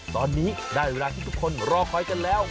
ตอนนี้ได้เวลาที่ทุกคนรอคอยกันแล้ว